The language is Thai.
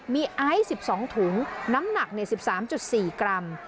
มีไอซ์สิบสองถุงน้ำหนักในสิบสามจุดสี่กรัม